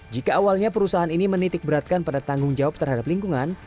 jika awalnya perusahaan ini menitik beratkan pada tanggung jawab terhadap lingkungan